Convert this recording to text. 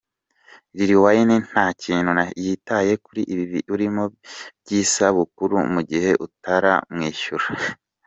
Lil Wayne nta kintu yitaye kuri ibi urimo by’isabukuru mu gihe utaramwishyura”.